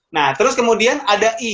nah terus kemudian ada i